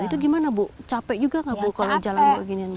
itu gimana bu capek juga nggak bu kalau jalan bu gini